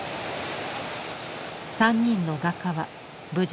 ３人の画家は無事だった。